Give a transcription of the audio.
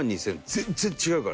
全然違うからね。